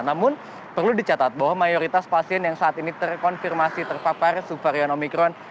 namun perlu dicatat bahwa mayoritas pasien yang saat ini terkonfirmasi terpapar suvarian omikron